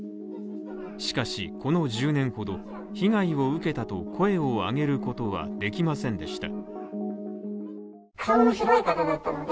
しかしこの１０年ほど被害を受けたと声を上げることはできませんでした。